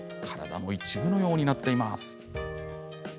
体の一部のようになっています。